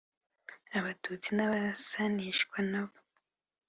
Abatutsi n’abasanishwa na bo